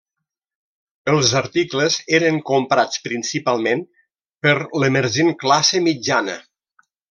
Els articles eren comprats principalment per l'emergent classe mitjana.